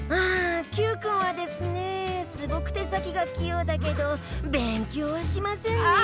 あＱくんはですねぇすごく手先がきようだけど勉強はしませんねえ。